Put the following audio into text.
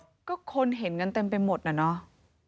ก็คนเห็นกันเต็มไปหมดน่ะเนาะ